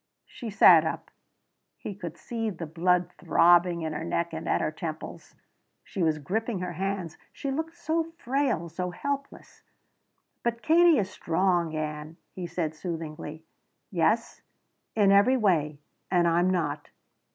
She sat up; he could see the blood throbbing in her neck and at her temples. She was gripping her hands. She looked so frail so helpless. "But Katie is strong, Ann," he said soothingly. "Yes in every way. And I'm not."